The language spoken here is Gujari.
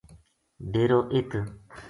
ڈیرو اِ